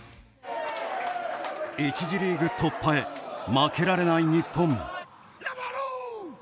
１次リーグ突破へ負けられない日本。